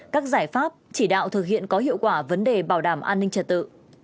các giải pháp chỉ đạo thực hiện có hiệu quả vấn đề bảo đảm an ninh trật tự